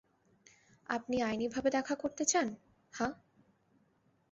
আপনি আইনিভাবে দেখা করতে চান, হাহ?